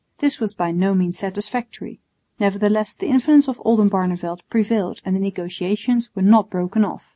This was by no means satisfactory; nevertheless the influence of Oldenbarneveldt prevailed and the negotiations were not broken off.